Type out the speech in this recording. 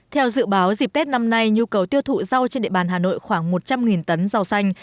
theo dự báo dịp tết năm nay nhu cầu tiêu thụ rau trên địa bàn hà nội khoảng một trăm linh tấn rau xanh